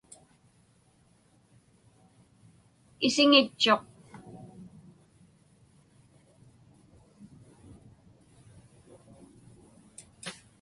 Isiŋitchuq.